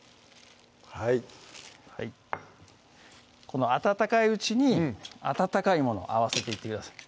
この温かいうちに温かいもの合わせていってください